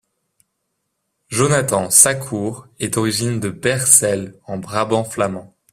Jonathan Sacoor est originaire de Beersel en Brabant flamand.